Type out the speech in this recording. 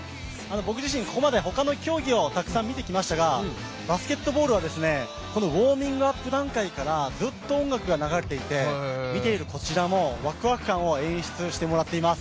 僕自身、ここまでほかの競技をたくさん見てきましたがバスケットボールはウォーミングアップ段階からずっと音楽が流れていて見ているこっちもワクワク感を演出してもらっています。